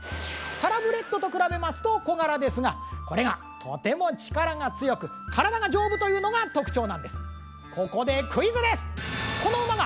サラブレッドと比べますと小柄ですがこれがとても力が強く体が丈夫というのが特徴なんです。